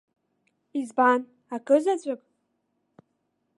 Избан, акызаҵәык?